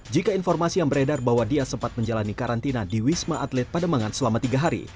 jika informasi yang beredar bahwa dia sempat menjalani karantina di wisma atlet pademangan selama tiga hari